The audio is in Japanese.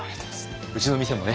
うちの店もね